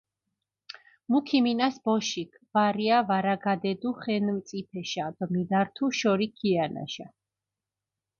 მუ ქიმინას ბოშიქ, ვარია ვარაგადედუ ხენწიფეშა დო მიდართუ შორი ქიანაშა.